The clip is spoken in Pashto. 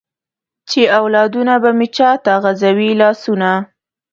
چې اولادونه به مې چاته غزوي لاسونه ؟